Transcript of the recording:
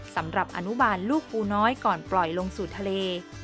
สำหรับอนุบาลลูกปูน้อยก่อนปล่อยลงสู่ทะเล